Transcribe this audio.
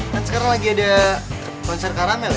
kan sekarang lagi ada konser caramel ya